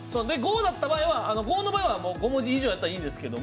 ５の場合は５文字以上やったらいいんです。